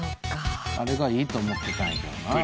あれがいいと思ってたんやけどな。